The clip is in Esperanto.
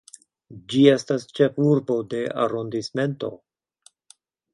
Ĝi estas ĉefurbo de arondismento.